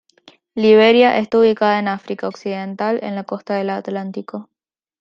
Liberia está ubicada en África Occidental en la costa del Atlántico.